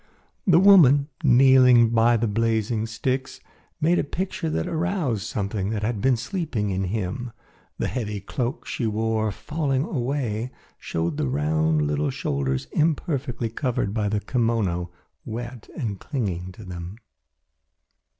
The woman, kneeling by the blazing sticks, made a picture that aroused something that had been sleeping in him. The heavy cloak she wore, falling away, showed the round little shoulders imperfectly covered by the kimono, wet and clinging to them.